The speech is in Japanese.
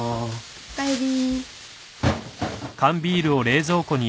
おかえり。